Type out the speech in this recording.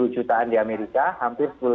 sepuluh jutaan di amerika hampir